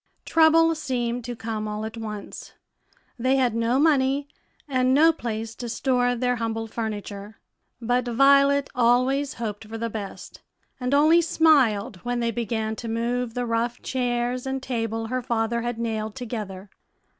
Trouble seemed to come all at once; they had no money and no place to store their humble furniture; but Violet always hoped for the best, and only smiled when they began to move the rough chairs and table her father had nailed together.